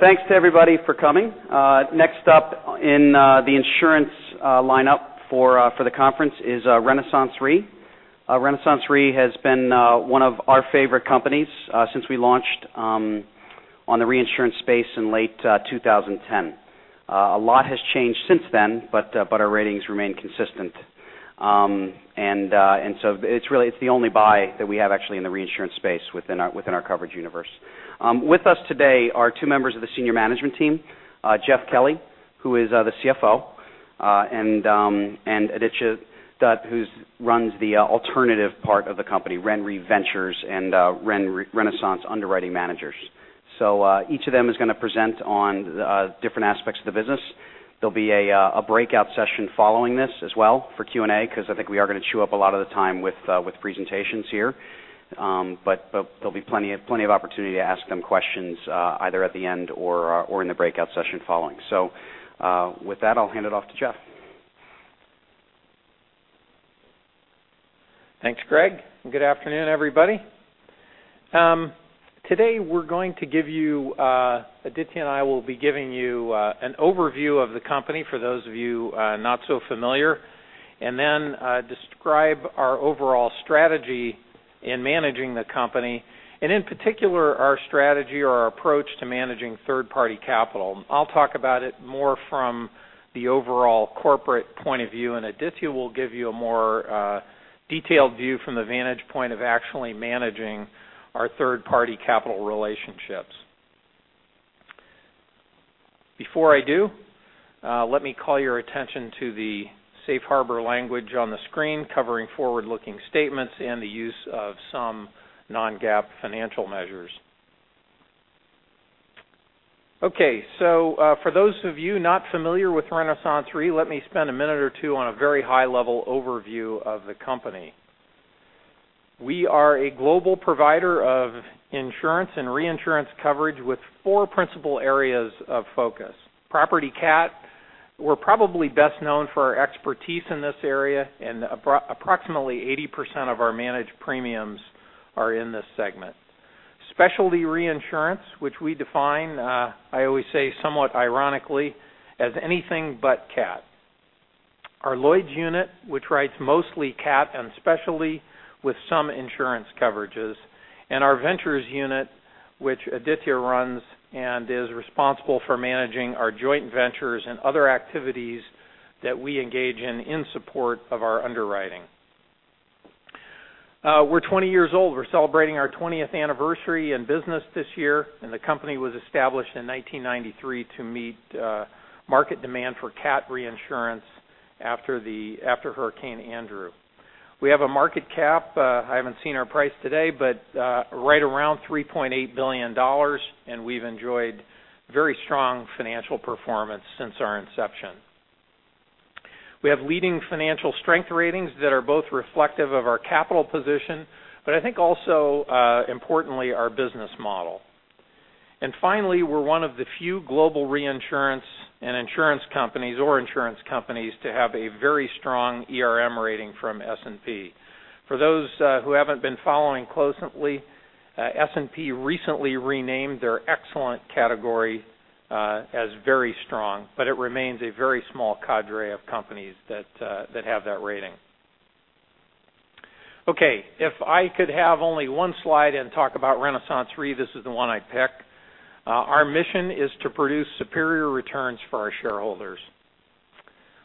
Thanks to everybody for coming. Next up in the insurance lineup for the conference is RenaissanceRe. RenaissanceRe has been one of our favorite companies since we launched on the reinsurance space in late 2010. A lot has changed since then, but our ratings remain consistent. It's the only buy that we have actually in the reinsurance space within our coverage universe. With us today are two members of the Senior Management team, Jeff Kelly, who is the CFO, and Aditya Dutt, who runs the alternative part of the company, RenRe Ventures and Renaissance Underwriting Managers. Each of them is going to present on different aspects of the business. There'll be a breakout session following this as well for Q&A, because I think we are going to chew up a lot of the time with presentations here. There'll be plenty of opportunity to ask them questions either at the end or in the breakout session following. With that, I'll hand it off to Jeff. Thanks, Greg, and good afternoon, everybody. Today, Aditya and I will be giving you an overview of the company for those of you not so familiar, and then describe our overall strategy in managing the company and in particular, our strategy or our approach to managing third-party capital. I'll talk about it more from the overall corporate point of view, and Aditya will give you a more detailed view from the vantage point of actually managing our third-party capital relationships. Before I do, let me call your attention to the safe harbor language on the screen covering forward-looking statements and the use of some non-GAAP financial measures. For those of you not familiar with RenaissanceRe, let me spend a minute or two on a very high-level overview of the company. We are a global provider of insurance and reinsurance coverage with four principal areas of focus. Property CAT, we're probably best known for our expertise in this area, and approximately 80% of our managed premiums are in this segment. Specialty reinsurance, which we define, I always say somewhat ironically as anything but CAT. Our Lloyd's unit, which writes mostly CAT and specialty with some insurance coverages, and our ventures unit, which Aditya runs and is responsible for managing our joint ventures and other activities that we engage in support of our underwriting. We're 20 years old. We're celebrating our 20th anniversary in business this year, and the company was established in 1993 to meet market demand for CAT reinsurance after Hurricane Andrew. We have a market cap, I haven't seen our price today, but right around $3.8 billion, and we've enjoyed very strong financial performance since our inception. We have leading financial strength ratings that are both reflective of our capital position, but I think also importantly, our business model. Finally, we're one of the few global reinsurance and insurance companies, or insurance companies, to have a very strong ERM rating from S&P. For those who haven't been following closely, S&P recently renamed their excellent category as very strong, but it remains a very small cadre of companies that have that rating. Okay. If I could have only one slide and talk about RenaissanceRe, this is the one I'd pick. Our mission is to produce superior returns for our shareholders.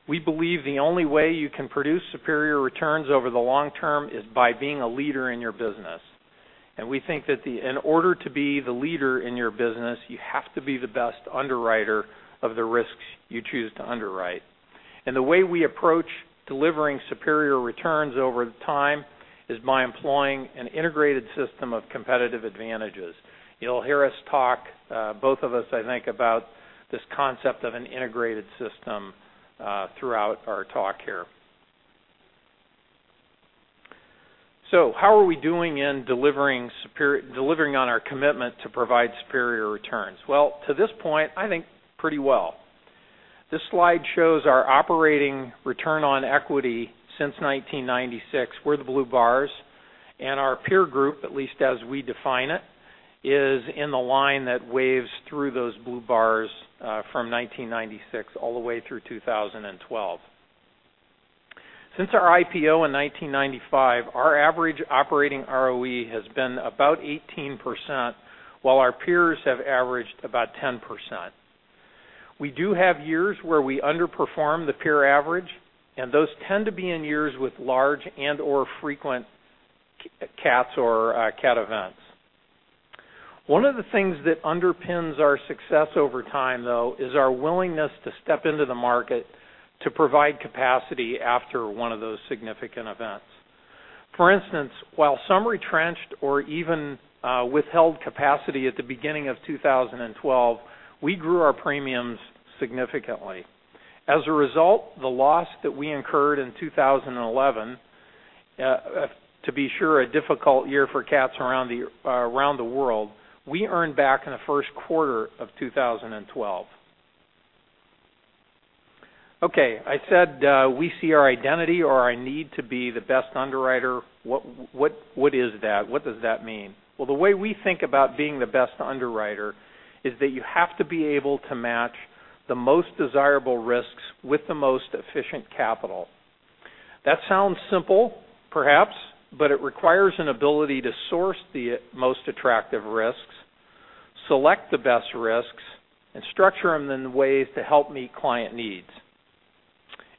We believe the only way you can produce superior returns over the long term is by being a leader in your business. We think that in order to be the leader in your business, you have to be the best underwriter of the risks you choose to underwrite. The way we approach delivering superior returns over time is by employing an integrated system of competitive advantages. You'll hear us talk, both of us, I think, about this concept of an integrated system throughout our talk here. How are we doing in delivering on our commitment to provide superior returns? Well, to this point, I think pretty well. This slide shows our operating return on equity since 1996. We're the blue bars, and our peer group, at least as we define it, is in the line that waves through those blue bars from 1996 all the way through 2012. Since our IPO in 1995, our average operating ROE has been about 18%, while our peers have averaged about 10%. We do have years where we underperform the peer average, and those tend to be in years with large and/or frequent CATs or CAT events. One of the things that underpins our success over time, though, is our willingness to step into the market to provide capacity after one of those significant events. For instance, while some retrenched or even withheld capacity at the beginning of 2012, we grew our premiums significantly. As a result, the loss that we incurred in 2011, to be sure, a difficult year for CATs around the world, we earned back in the first quarter of 2012. Okay. I said we see our identity or our need to be the best underwriter. What is that? What does that mean? Well, the way we think about being the best underwriter is that you have to be able to match the most desirable risks with the most efficient capital. That sounds simple, perhaps, but it requires an ability to source the most attractive risks, select the best risks, and structure them in ways to help meet client needs,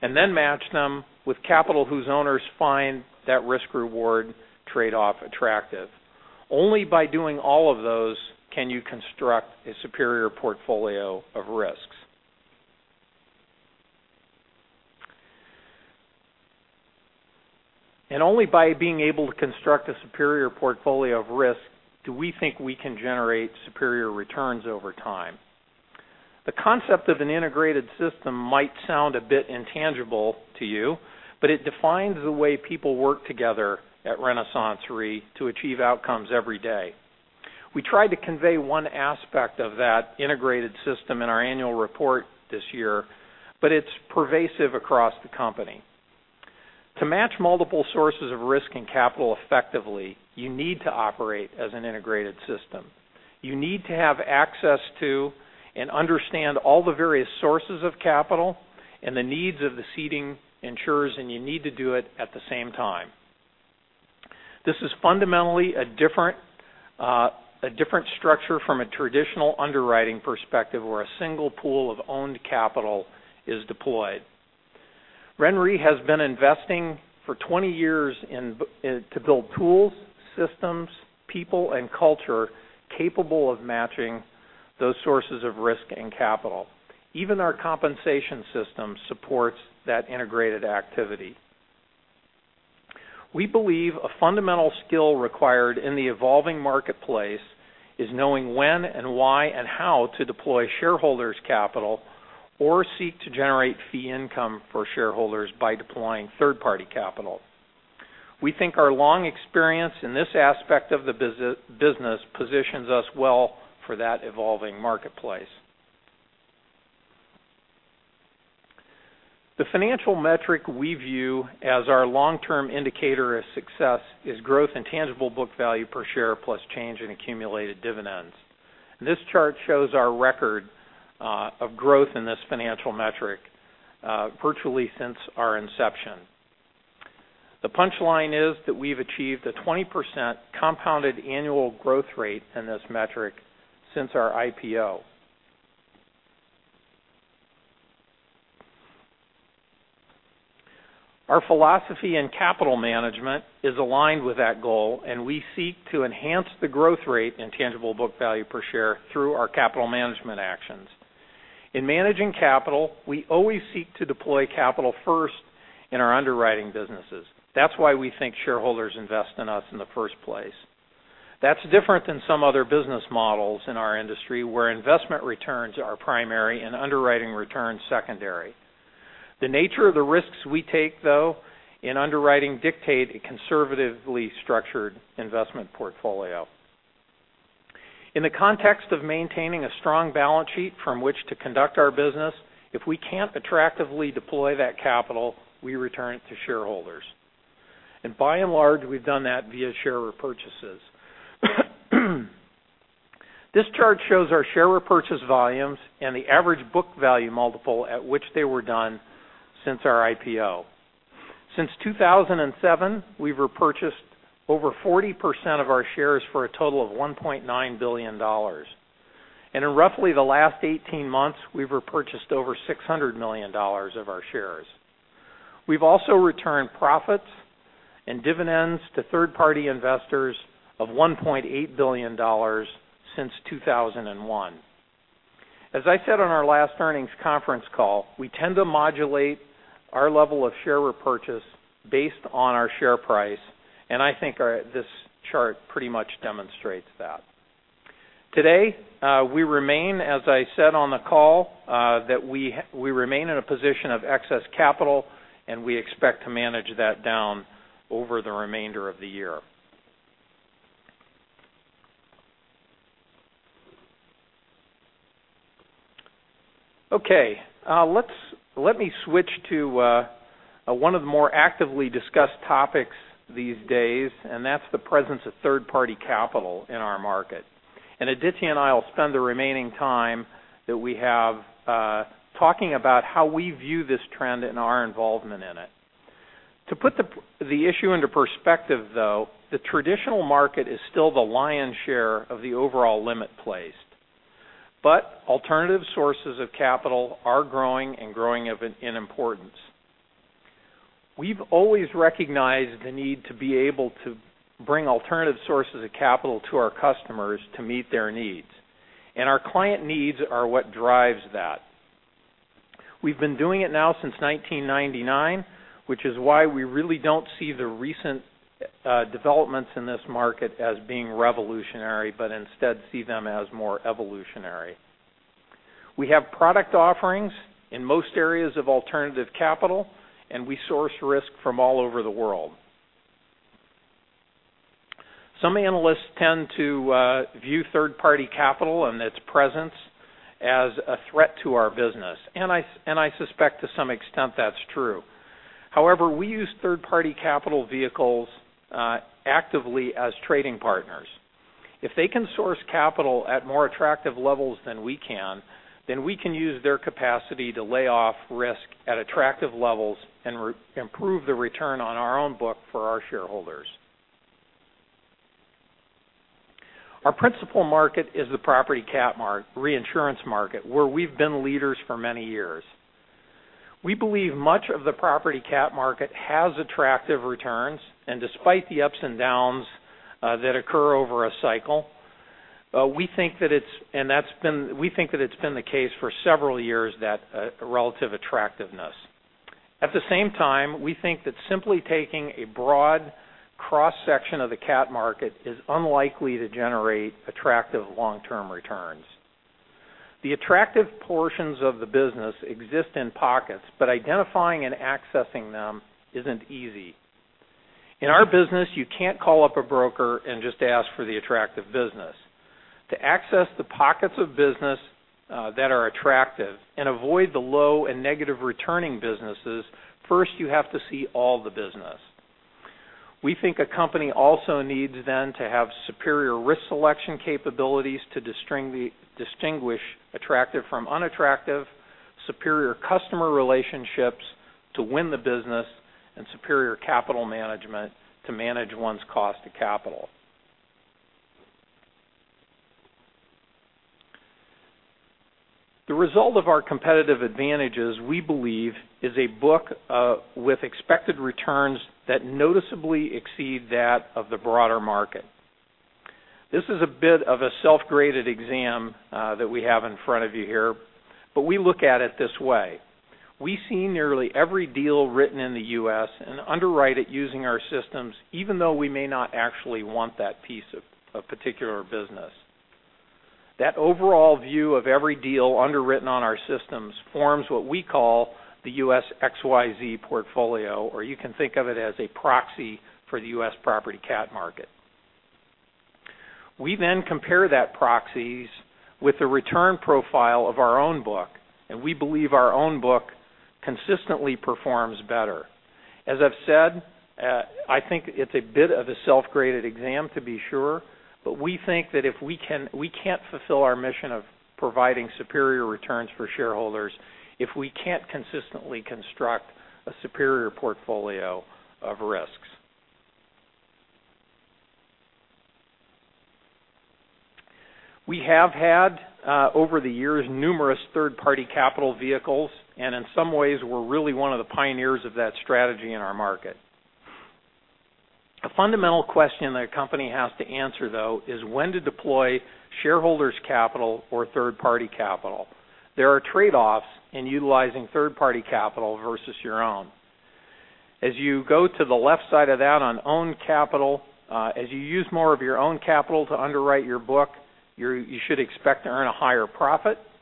and then match them with capital whose owners find that risk-reward trade-off attractive. Only by doing all of those can you construct a superior portfolio of risks. Only by being able to construct a superior portfolio of risk do we think we can generate superior returns over time. The concept of an integrated system might sound a bit intangible to you, but it defines the way people work together at RenaissanceRe to achieve outcomes every day. We tried to convey one aspect of that integrated system in our annual report this year, but it's pervasive across the company. To match multiple sources of risk and capital effectively, you need to operate as an integrated system. You need to have access to and understand all the various sources of capital and the needs of the ceding insurers, and you need to do it at the same time. This is fundamentally a different structure from a traditional underwriting perspective, where a single pool of owned capital is deployed. RenRe has been investing for 20 years to build tools, systems, people, and culture capable of matching those sources of risk and capital. Even our compensation system supports that integrated activity. We believe a fundamental skill required in the evolving marketplace is knowing when and why and how to deploy shareholders' capital or seek to generate fee income for shareholders by deploying third-party capital. We think our long experience in this aspect of the business positions us well for that evolving marketplace. The financial metric we view as our long-term indicator of success is growth in tangible book value per share plus change in accumulated dividends. This chart shows our record of growth in this financial metric virtually since our inception. The punchline is that we've achieved a 20% compounded annual growth rate in this metric since our IPO. Our philosophy in capital management is aligned with that goal, and we seek to enhance the growth rate in tangible book value per share through our capital management actions. In managing capital, we always seek to deploy capital first in our underwriting businesses. That's why we think shareholders invest in us in the first place. That's different than some other business models in our industry, where investment returns are primary and underwriting returns secondary. The nature of the risks we take, though, in underwriting dictate a conservatively structured investment portfolio. In the context of maintaining a strong balance sheet from which to conduct our business, if we can't attractively deploy that capital, we return it to shareholders. By and large, we've done that via share repurchases. This chart shows our share repurchase volumes and the average book value multiple at which they were done since our IPO. Since 2007, we've repurchased over 40% of our shares for a total of $1.9 billion. In roughly the last 18 months, we've repurchased over $600 million of our shares. We've also returned profits and dividends to third-party investors of $1.8 billion since 2001. As I said on our last earnings conference call, we tend to modulate our level of share repurchase based on our share price, and I think this chart pretty much demonstrates that. Today, we remain, as I said on the call, that we remain in a position of excess capital, and we expect to manage that down over the remainder of the year. Okay. Let me switch to one of the more actively discussed topics these days, and that's the presence of third-party capital in our market. Aditya and I will spend the remaining time that we have talking about how we view this trend and our involvement in it. To put the issue into perspective, though, the traditional market is still the lion's share of the overall limit placed. Alternative sources of capital are growing and growing in importance. We've always recognized the need to be able to bring alternative sources of capital to our customers to meet their needs, and our client needs are what drives that. We've been doing it now since 1999, which is why we really don't see the recent developments in this market as being revolutionary, but instead see them as more evolutionary. We have product offerings in most areas of alternative capital, and we source risk from all over the world. Some analysts tend to view third-party capital and its presence as a threat to our business, and I suspect to some extent that's true. However, we use third-party capital vehicles actively as trading partners. If they can source capital at more attractive levels than we can, we can use their capacity to lay off risk at attractive levels and improve the return on our own book for our shareholders. Our principal market is the property cat reinsurance market, where we've been leaders for many years. We believe much of the property cat market has attractive returns, and despite the ups and downs that occur over a cycle, we think that it's been the case for several years that relative attractiveness. At the same time, we think that simply taking a broad cross-section of the CAT market is unlikely to generate attractive long-term returns. The attractive portions of the business exist in pockets, but identifying and accessing them isn't easy. In our business, you can't call up a broker and just ask for the attractive business. To access the pockets of business that are attractive and avoid the low and negative returning businesses, you have to see all the business. We think a company also needs to have superior risk selection capabilities to distinguish attractive from unattractive, superior customer relationships to win the business, and superior capital management to manage one's cost of capital. The result of our competitive advantages, we believe, is a book with expected returns that noticeably exceed that of the broader market. This is a bit of a self-graded exam that we have in front of you here, we look at it this way. We see nearly every deal written in the U.S. and underwrite it using our systems, even though we may not actually want that piece of particular business. That overall view of every deal underwritten on our systems forms what we call the US XOL portfolio, or you can think of it as a proxy for the U.S. property cat market. We compare that proxies with the return profile of our own book, and we believe our own book consistently performs better. As I've said, I think it's a bit of a self-graded exam to be sure, we think that we can't fulfill our mission of providing superior returns for shareholders if we can't consistently construct a superior portfolio of risks. We have had, over the years, numerous third-party capital vehicles, and in some ways, we're really one of the pioneers of that strategy in our market. A fundamental question that a company has to answer, though, is when to deploy shareholders' capital or third-party capital. There are trade-offs in utilizing third-party capital versus your own. As you go to the left side of that on own capital, as you use more of your own capital to underwrite your book, you should expect to earn a higher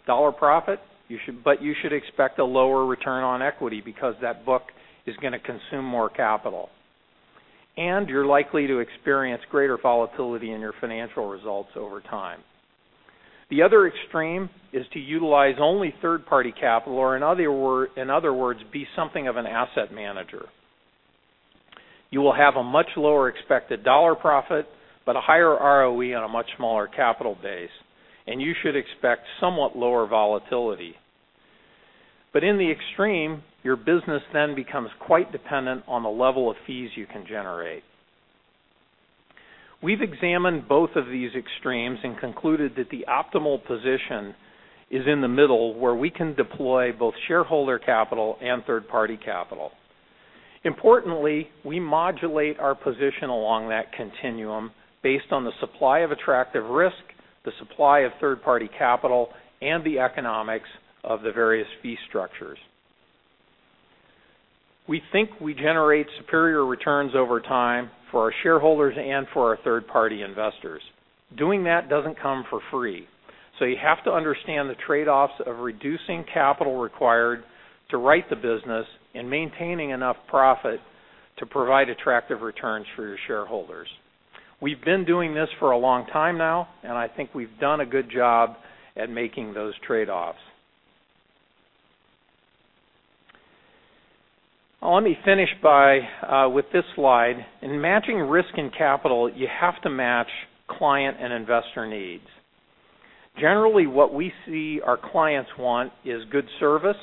dollar profit. You should expect a lower return on equity because that book is going to consume more capital. You're likely to experience greater volatility in your financial results over time. The other extreme is to utilize only third-party capital, or in other words, be something of an asset manager. You will have a much lower expected dollar profit, but a higher ROE on a much smaller capital base, and you should expect somewhat lower volatility. In the extreme, your business then becomes quite dependent on the level of fees you can generate. We've examined both of these extremes and concluded that the optimal position is in the middle, where we can deploy both shareholder capital and third-party capital. Importantly, we modulate our position along that continuum based on the supply of attractive risk, the supply of third-party capital, and the economics of the various fee structures. We think we generate superior returns over time for our shareholders and for our third-party investors. Doing that doesn't come for free, so you have to understand the trade-offs of reducing capital required to write the business and maintaining enough profit to provide attractive returns for your shareholders. We've been doing this for a long time now, and I think we've done a good job at making those trade-offs. Let me finish with this slide. In matching risk and capital, you have to match client and investor needs. Generally, what we see our clients want is good service.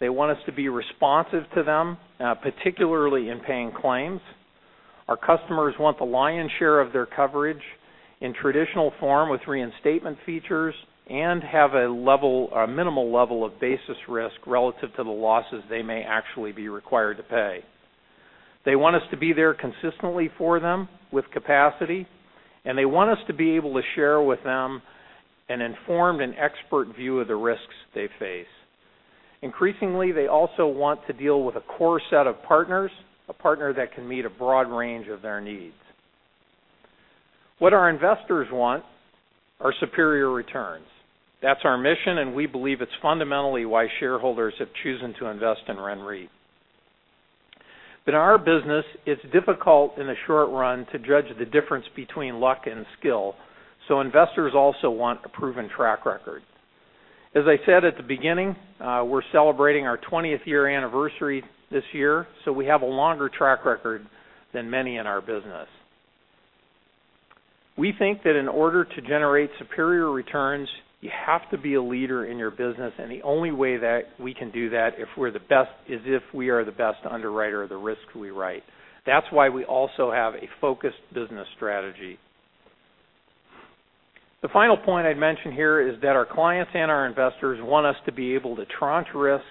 They want us to be responsive to them, particularly in paying claims. Our customers want the lion's share of their coverage in traditional form with reinstatement features and have a minimal level of basis risk relative to the losses they may actually be required to pay. They want us to be there consistently for them with capacity, and they want us to be able to share with them an informed and expert view of the risks they face. Increasingly, they also want to deal with a core set of partners, a partner that can meet a broad range of their needs. What our investors want are superior returns. That's our mission, and we believe it's fundamentally why shareholders have chosen to invest in RenRe. In our business, it's difficult in the short run to judge the difference between luck and skill, so investors also want a proven track record. As I said at the beginning, we're celebrating our 20th year anniversary this year, so we have a longer track record than many in our business. We think that in order to generate superior returns, you have to be a leader in your business, and the only way that we can do that is if we are the best underwriter of the risk we write. That's why we also have a focused business strategy. The final point I'd mention here is that our clients and our investors want us to be able to tranche risk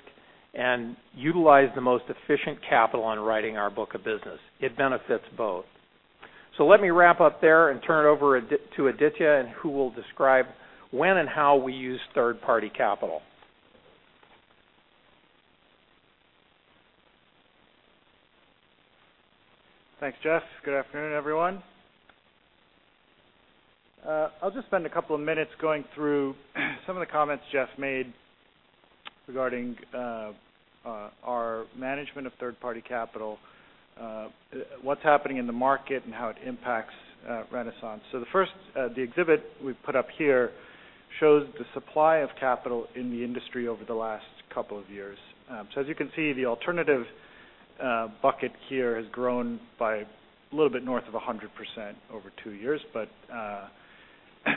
and utilize the most efficient capital on writing our book of business. It benefits both. Let me wrap up there and turn it over to Aditya, who will describe when and how we use third-party capital. Thanks, Jeff. Good afternoon, everyone. I'll just spend a couple of minutes going through some of the comments Jeff made regarding our management of third-party capital, what's happening in the market, and how it impacts RenaissanceRe. The exhibit we've put up here shows the supply of capital in the industry over the last couple of years. As you can see, the alternative bucket here has grown by a little bit north of 100% over two years.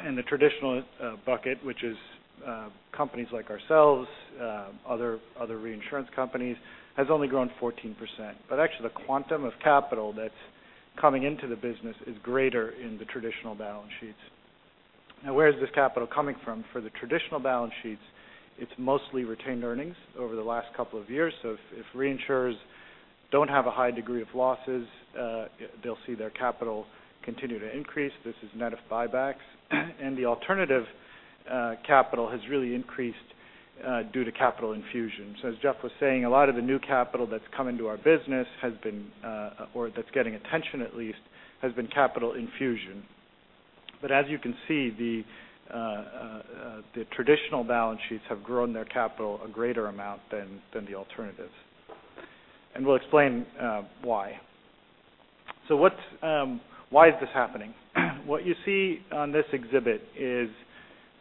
In the traditional bucket, which is companies like ourselves, other reinsurance companies, has only grown 14%. Actually, the quantum of capital that's coming into the business is greater in the traditional balance sheets. Where is this capital coming from? For the traditional balance sheets, it's mostly retained earnings over the last couple of years. If reinsurers don't have a high degree of losses, they'll see their capital continue to increase. This is net of buybacks, and the alternative capital has really increased due to capital infusion. As Jeff was saying, a lot of the new capital that's come into our business has been, or that's getting attention at least, has been capital infusion. As you can see, the traditional balance sheets have grown their capital a greater amount than the alternatives. We'll explain why. Why is this happening? What you see on this exhibit is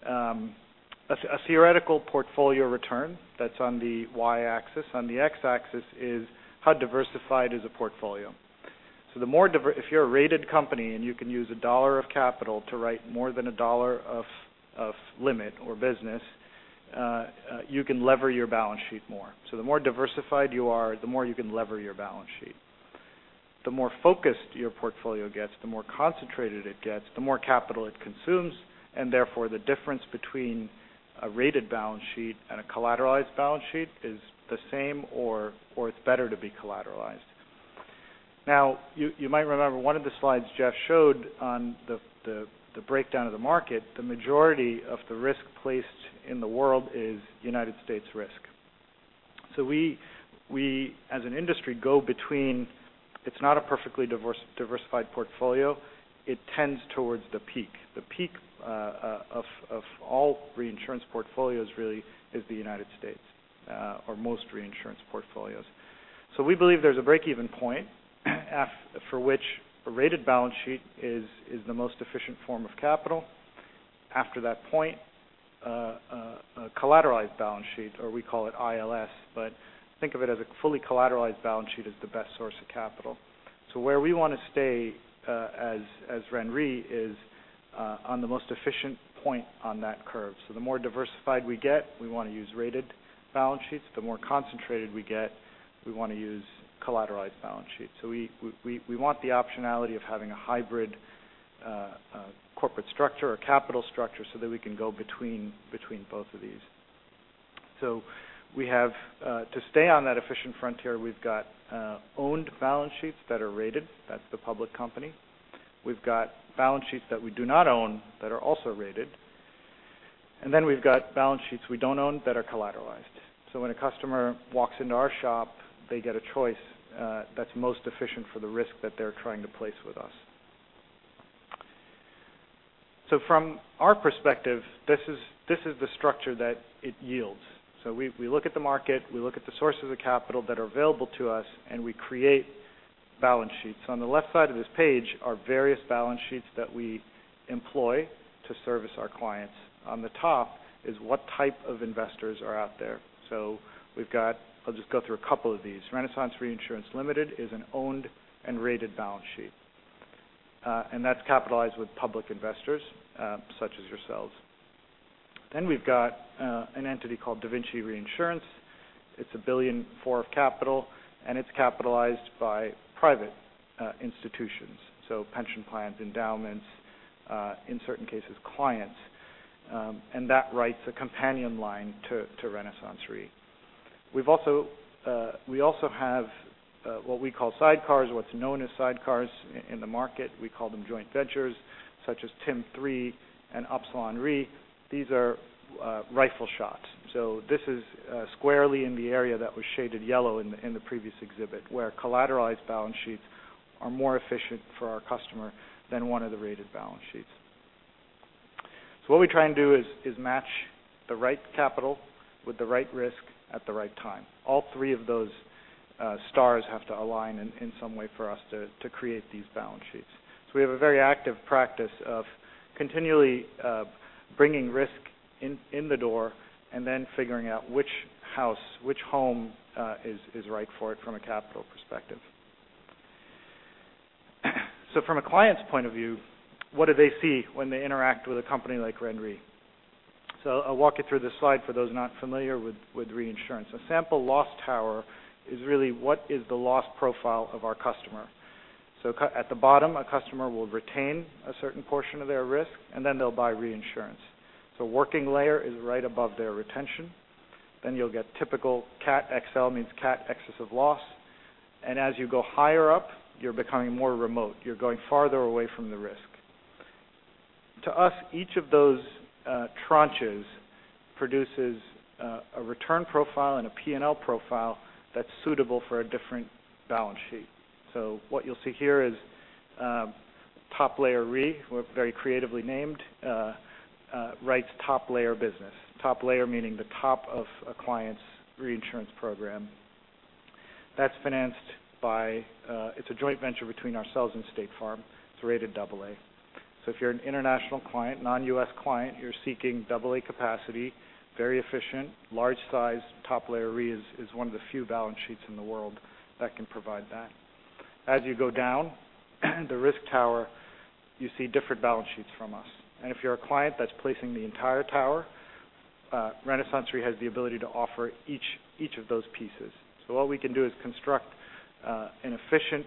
a theoretical portfolio return that's on the y-axis. On the x-axis is how diversified is a portfolio. If you're a rated company and you can use $1 of capital to write more than $1 of limit or business, you can lever your balance sheet more. The more diversified you are, the more you can lever your balance sheet. The more focused your portfolio gets, the more concentrated it gets, the more capital it consumes, and therefore, the difference between a rated balance sheet and a collateralized balance sheet is the same or it's better to be collateralized. You might remember one of the slides Jeff showed on the breakdown of the market. The majority of the risk placed in the world is U.S. risk. We as an industry go between it's not a perfectly diversified portfolio. It tends towards the peak. The peak of all reinsurance portfolios really is the U.S., or most reinsurance portfolios. We believe there's a break-even point for which a rated balance sheet is the most efficient form of capital. After that point, a collateralized balance sheet, or we call it ILS, but think of it as a fully collateralized balance sheet, is the best source of capital. Where we want to stay as RenRe is on the most efficient point on that curve. The more diversified we get, we want to use rated balance sheets. The more concentrated we get, we want to use collateralized balance sheets. We want the optionality of having a hybrid corporate structure or capital structure so that we can go between both of these. To stay on that efficient frontier, we've got owned balance sheets that are rated. That's the public company. We've got balance sheets that we do not own that are also rated, and then we've got balance sheets we don't own that are collateralized. When a customer walks into our shop, they get a choice that's most efficient for the risk that they're trying to place with us. From our perspective, this is the structure that it yields. We look at the market, we look at the sources of capital that are available to us, and we create balance sheets. On the left side of this page are various balance sheets that we employ to service our clients. On the top is what type of investors are out there. I'll just go through a couple of these. Renaissance Reinsurance Ltd. is an owned and rated balance sheet. That's capitalized with public investors such as yourselves. We've got an entity called DaVinci Reinsurance Ltd. It's $1.4 billion capital, and it's capitalized by private institutions. Pension plans, endowments, in certain cases, clients. That writes a companion line to RenaissanceRe. We also have what we call sidecars, what's known as sidecars in the market. We call them joint ventures such as Tim Re III and Upsilon Reinsurance. These are rifle shots. This is squarely in the area that was shaded yellow in the previous exhibit, where collateralized balance sheets are more efficient for our customer than one of the rated balance sheets. What we try and do is match the right capital with the right risk at the right time. All three of those stars have to align in some way for us to create these balance sheets. We have a very active practice of continually bringing risk in the door and then figuring out which house, which home is right for it from a capital perspective. From a client's point of view, what do they see when they interact with a company like RenRe? I'll walk you through this slide for those not familiar with reinsurance. A sample loss tower is really what is the loss profile of our customer. At the bottom, a customer will retain a certain portion of their risk, and then they'll buy reinsurance. Working layer is right above their retention. You'll get typical CAT XL, means CAT excess of loss. As you go higher up, you're becoming more remote. You're going farther away from the risk. To us, each of those tranches produces a return profile and a P&L profile that's suitable for a different balance sheet. What you'll see here is Top Layer Reinsurance, we're very creatively named, writes top layer business. Top layer meaning the top of a client's reinsurance program. That's financed by, it's a joint venture between ourselves and State Farm. It's rated double A. If you're an international client, non-U.S. client, you're seeking double A capacity, very efficient, large size. Top Layer Re is one of the few balance sheets in the world that can provide that. As you go down the risk tower, you see different balance sheets from us. If you're a client that's placing the entire tower, RenaissanceRe has the ability to offer each of those pieces. What we can do is construct an efficient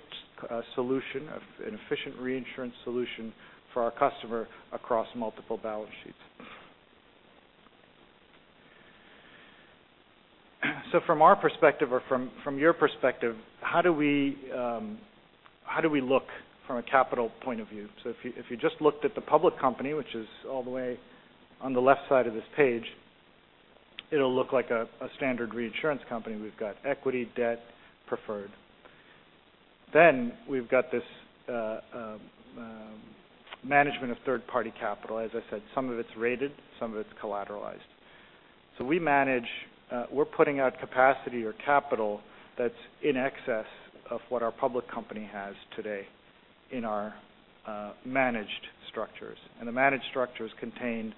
reinsurance solution for our customer across multiple balance sheets. From our perspective or from your perspective, how do we look from a capital point of view? If you just looked at the public company, which is all the way on the left side of this page, it'll look like a standard reinsurance company. We've got equity, debt, preferred. We've got this management of third-party capital. As I said, some of it's rated, some of it's collateralized. We're putting out capacity or capital that's in excess of what our public company has today in our managed structures. The managed structures contain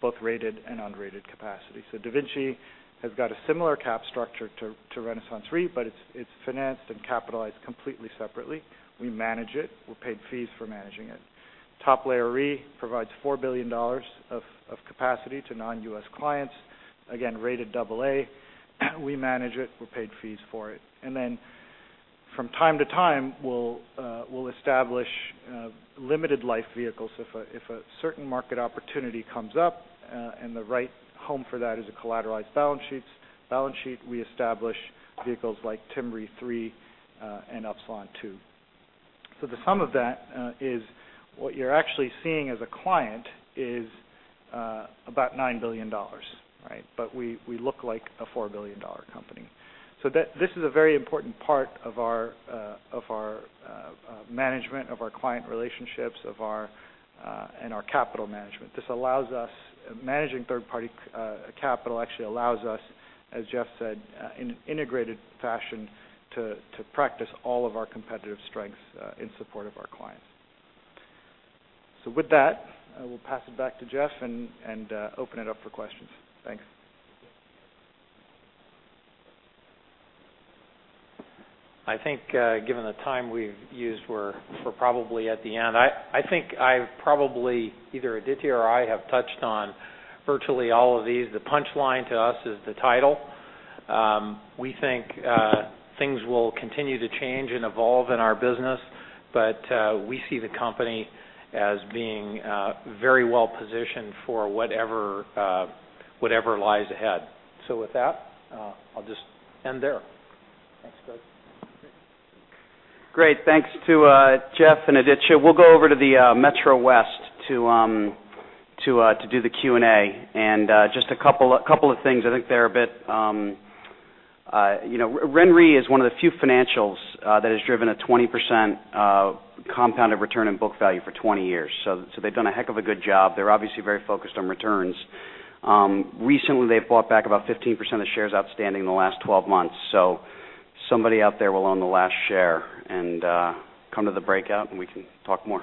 both rated and unrated capacity. DaVinci has got a similar cap structure to RenaissanceRe, but it's financed and capitalized completely separately. We manage it. We're paid fees for managing it. Top Layer Re provides $4 billion of capacity to non-U.S. clients, again, rated double A. We manage it. We're paid fees for it. From time to time, we'll establish limited life vehicles. If a certain market opportunity comes up and the right home for that is a collateralized balance sheet, we establish vehicles like Tim Re III and Upsilon II. The sum of that is what you're actually seeing as a client is about $9 billion. We look like a $4 billion company. This is a very important part of our management, of our client relationships, and our capital management. Managing third-party capital actually allows us, as Jeff said, in an integrated fashion to practice all of our competitive strengths in support of our clients. With that, I will pass it back to Jeff and open it up for questions. Thanks. I think given the time we've used, we're probably at the end. I think I've probably, either Aditya or I have touched on virtually all of these. The punchline to us is the title. We think things will continue to change and evolve in our business, but we see the company as being very well positioned for whatever lies ahead. With that, I'll just end there. Thanks, guys. Great. Thanks to Jeff and Aditya. We'll go over to the Metro West to do the Q&A. Just a couple of things. I think they're a bit RenRe is one of the few financials that has driven a 20% compounded return in book value for 20 years. They've done a heck of a good job. They're obviously very focused on returns. Recently, they've bought back about 15% of the shares outstanding in the last 12 months. Somebody out there will own the last share and come to the breakout, and we can talk more